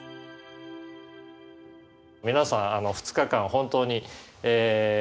皆さん２日間本当にえ